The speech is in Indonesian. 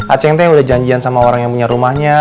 acing teh udah janjian sama orang yang punya rumahnya